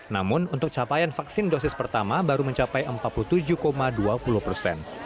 namun untuk capaian vaksin dosis pertama baru mencapai empat puluh tujuh dua puluh persen